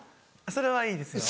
それはいいですよ。